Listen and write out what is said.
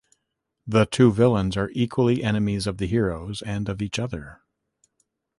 The two villains are equally enemies of the heroes and of each other.